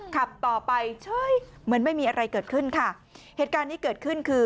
ขับต่อไปเฉยเหมือนไม่มีอะไรเกิดขึ้นค่ะเหตุการณ์นี้เกิดขึ้นคือ